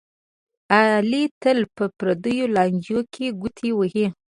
علي تل په پردیو لانجو کې ګوتې وهي.